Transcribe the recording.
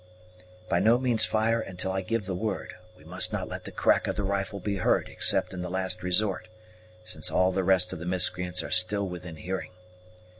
By no means fire until I give the word; we must not let the crack of the rifle be heard except in the last resort, since all the rest of the miscreants are still within hearing.